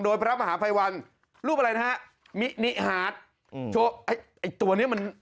โดยพระมหาภัยวันรูปอะไรนะฮะมินิฮาร์ดอืมโชว์ไอ้ไอ้ตัวเนี้ยมัน